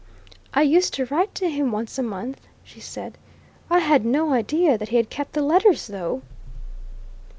"I used to write to him once a month," she said. "I had no idea that he had kept the letters, though!"